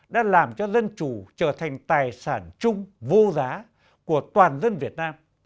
đã làm cho dân chủ trở thành tài sản chung vô giá của toàn dân việt nam